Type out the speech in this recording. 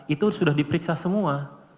itu sudah diperiksa semua